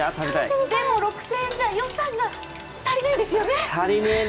でも６０００円じゃ、予算が足りないですよね？